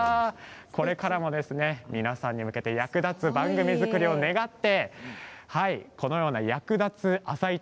これからも皆さんに向けて役立つ番組作りを願ってこのような役立つ「あさイチ」